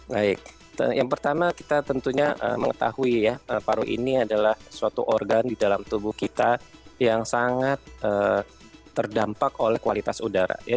baik yang pertama kita tentunya mengetahui ya paru ini adalah suatu organ di dalam tubuh kita yang sangat terdampak oleh kualitas udara